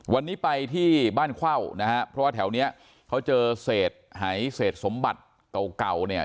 วันนี้ไปที่บ้านเข้านะฮะเพราะว่าแถวเนี้ยเขาเจอเศษหายเศษสมบัติเก่าเก่าเนี่ย